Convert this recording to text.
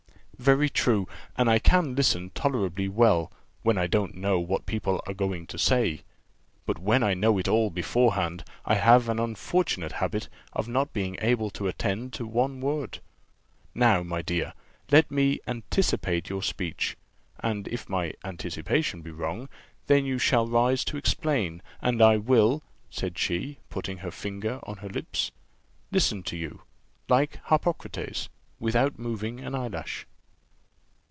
"Very true: and I can listen tolerably well, when I don't know what people are going to say; but when I know it all beforehand, I have an unfortunate habit of not being able to attend to one word. Now, my dear, let me anticipate your speech, and if my anticipation be wrong, then you shall rise to explain; and I will," said she, (putting her finger on her lips,) "listen to you, like Harpocrates, without moving an eyelash."